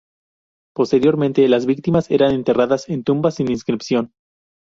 Posteriormente las víctimas eran enterradas en tumbas sin inscripción.